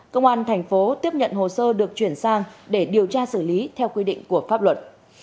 công an thành phố tiếp nhận hồ sơ được chuyển sang để điều tra xử lý theo quy định của pháp luật